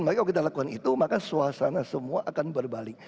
maka kalau kita lakukan itu maka suasana semua akan berbalik